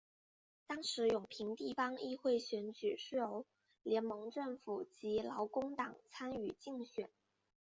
当时永平地方议会选举是由联盟政府及劳工党参与竞选。